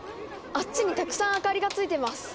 あっちにたくさん明かりがついてます。